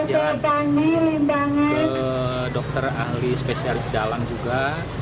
kami rindangkan dokter ahli spesialis dalam juga